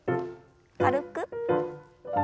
軽く。